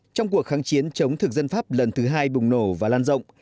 tạp chí cộng sản chống thực dân pháp lần thứ hai bùng nổ và lan rộng